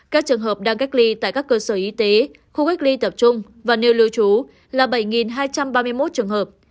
các trường hợp đang cách ly tại các cơ sở y tế khu cách ly tập trung và nơi lưu trú là bảy hai trăm ba mươi một trường hợp